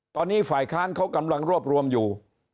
ตอนนี้ฝ่ายค้านเขากำลังรวบรวมอยู่